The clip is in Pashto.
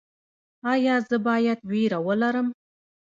ایا زه باید ویره ولرم؟